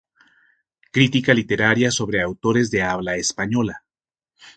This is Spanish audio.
Crítica literaria sobre autores de habla española.